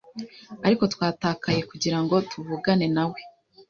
ariko twatakaye kugira ngo tuvugane nawe